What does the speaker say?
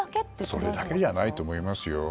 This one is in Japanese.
それだけじゃないと思いますよ。